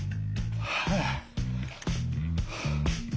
はあ。